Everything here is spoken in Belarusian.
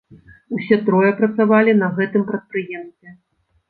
Усе трое працавалі на гэтым прадпрыемстве.